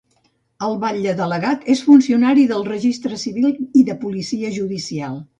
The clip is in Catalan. El batlle delegat és funcionari del registre civil i de policia judicial.